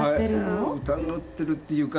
「疑ってる」っていうか。